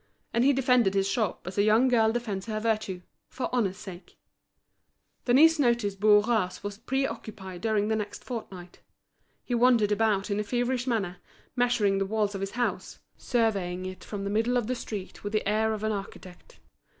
And he defended his shop as a young girl defends her virtue, for honour's sake. Denise noticed Bourras was pre occupied during the next fortnight. He wandered about in a feverish manner, measuring the walls of his house, surveying it from the middle of the street with the air of an architect.